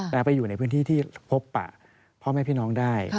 แล้วไปอยู่ในพื้นที่ที่พบปะพ่อแม่พี่น้องได้